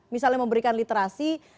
misalnya memberikan literasi